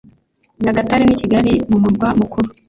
Nyagatare n’ i Kigali mu murwa mukuru